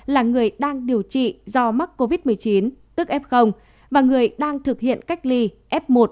là người đang điều trị do mắc covid một mươi chín tức f và người đang thực hiện cách ly f một